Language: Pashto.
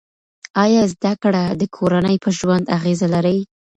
آیا زده کړه د کورنۍ په ژوند اغېزه لري؟